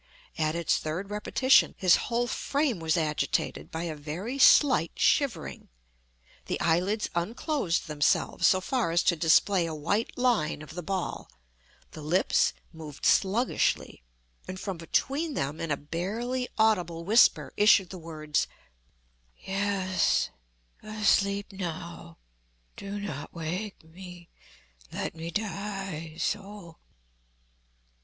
At its third repetition, his whole frame was agitated by a very slight shivering; the eyelids unclosed themselves so far as to display a white line of the ball; the lips moved sluggishly, and from between them, in a barely audible whisper, issued the words: "Yes;—asleep now. Do not wake me!—let me die so!"